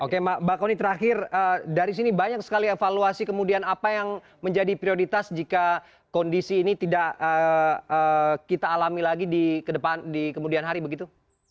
oke mbak kony terakhir dari sini banyak sekali evaluasi kemudian apa yang menjadi prioritas jika kondisi ini tidak kita alami lagi di kemudian hari begitu